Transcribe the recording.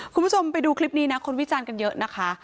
คุณผู้ชมไปดูคลิปนี้นะคนวิจารณ์กันเยอะนะคะ